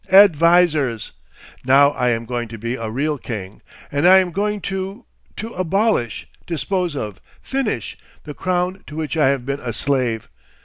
Advisers! Now I am going to be a real king—and I am going to—to abolish, dispose of, finish, the crown to which I have been a slave.